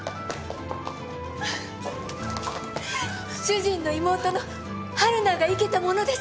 主人の妹の春菜が生けたものです。